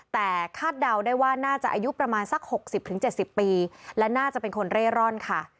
แต่คาดเดาได้ว่าน่าจะอายุประมาณสัก๖๐๗๐ปีและน่าจะเป็นคนเร่ร่อนค่ะ